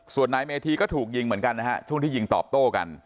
ส่วนนายเมธีก็ถูกยิงเหมือนกันนะฮะช่วงที่ยิงตอบโต้กัน